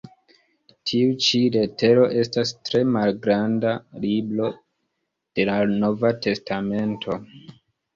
Tiu ĉi letero estas tre malgranda "libro" de la nova testamento.